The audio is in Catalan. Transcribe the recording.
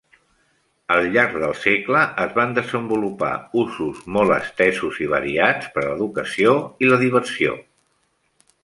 Al llarg del segle es van desenvolupar usos molt estesos i variats per a l'educació i la diversió.